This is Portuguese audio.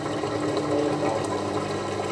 Pontal